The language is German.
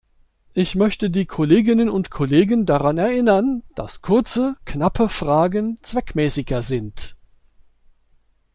Ich möchte die Kolleginnen und Kollegen daran erinnern, dass kurze, knappe Fragen zweckmäßiger sind.